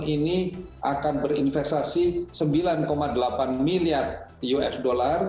ini akan berinvestasi sembilan delapan miliar usd